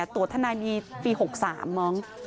ตรวจทนายต้องมีปี๖๓มอง